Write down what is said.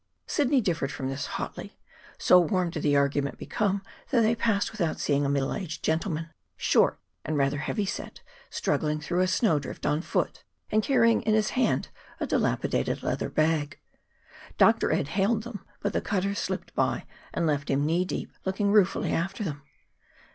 Sidney differed from this hotly. So warm did the argument become that they passed without seeing a middle aged gentleman, short and rather heavy set, struggling through a snowdrift on foot, and carrying in his hand a dilapidated leather bag. Dr. Ed hailed them. But the cutter slipped by and left him knee deep, looking ruefully after them.